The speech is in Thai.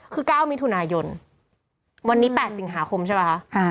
คือก้าวมีถุนายนวันนี้แปดสิงหาคมใช่ปะ